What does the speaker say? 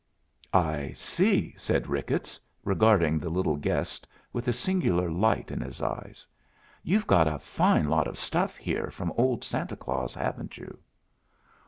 "I see," said Ricketts, regarding the little guest with a singular light in his eye. "You've got a fine lot of stuff here from old Santa Claus, haven't you?"